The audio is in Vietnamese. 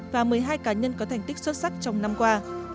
và một mươi hai cá nhân có thành tích xuất sắc trong năm qua